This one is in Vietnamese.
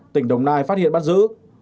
tỉnh đồng nai phát hiện bắt giữ